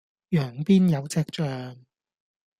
羊邊有隻象